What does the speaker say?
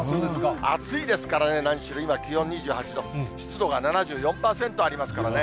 暑いですからね、何しろ、今、気温２７度、湿度が７４％ありますからね。